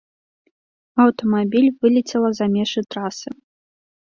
Аўтамабіль вылецела за межы трасы.